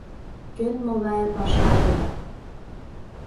Кӧн могае пашаже да